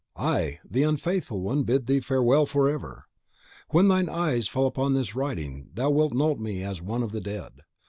I, the unfaithful one, bid thee farewell forever. When thine eyes fall upon this writing thou wilt know me as one of the dead.